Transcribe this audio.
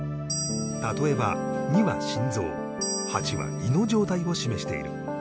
例えば２は心臓８は胃の状態を示している